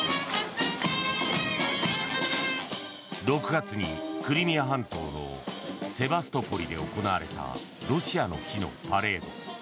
６月にクリミア半島のセバストポリで行われたロシアの日のパレード。